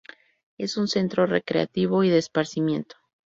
Es un centro recreativo y de esparcimiento.